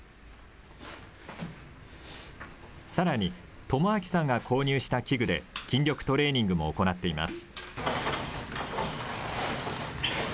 さらに智章さんが購入した器具で、筋力トレーニングも行っています。